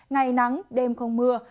ngày nắng đêm không mưa